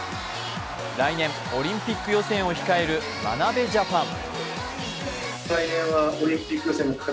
来年、オリンピック予選を控える眞鍋ジャパン。